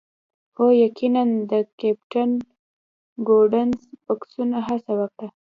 هو یقیناً د کیپټن ګوډنس بکسونه هڅه وکړه